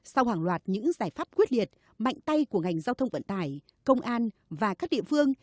sau hàng loạt những giải pháp quyết liệt mạnh tay của ngành giao thông vận tải công an và các địa phương